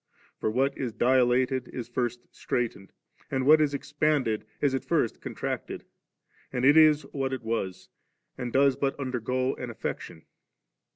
For what is dilated is first straitened ; and what is expanded is at first contracted ; and it is what it was, and does but undergo an affection.